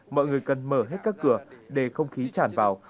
mọi người cần mở hết các cửa để không khí tràn vào